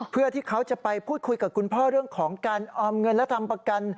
เพื่อที่เขาจะไปพูดคุยกับคุณพ่อเรื่องของการออมเงินและทำประกัน